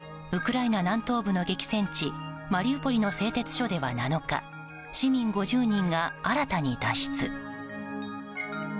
ロシア側の発表によるとウクライナ南東部の激戦地マリウポリの製鉄所では７日市民５０人が新たに脱出。